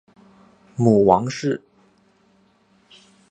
母王氏。